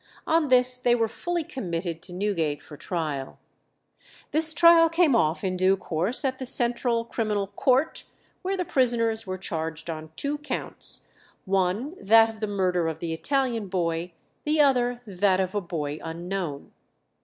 On this they were fully committed to Newgate for trial. This trial came off in due course at the Central Criminal Court, where the prisoners were charged on two counts, one that of the murder of the Italian boy, the other that of a boy unknown.